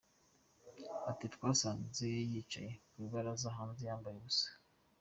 Ati : "Twasanze yicaye ku kabaraza hanze yambaye ubusa.